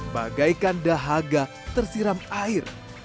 bagaikan dahaga tersiram air